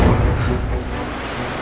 karena ini sesuai dengan kenyataannya